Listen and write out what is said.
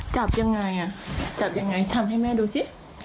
จับยังไงอ่ะจับยังไงทำให้แม่ดูสิ